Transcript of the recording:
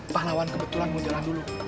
pahlawan kebetulan mau jalan dulu